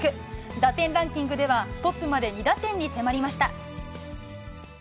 打点ランキングではトップまで２打点に迫りました。